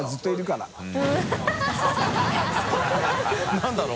何だろう？